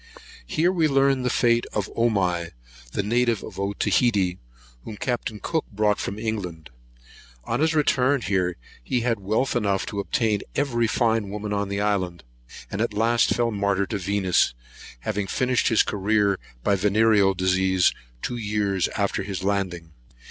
Here we learned the fate of Omai, the native of Otaheite, whom Captain Cook brought from England. On his return here he had wealth enough to obtain every fine woman on the island; and at last fell a martyr to Venus, having finished his career by the venereal disease, two years after his landing.